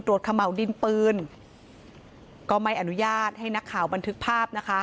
ขม่าวดินปืนก็ไม่อนุญาตให้นักข่าวบันทึกภาพนะคะ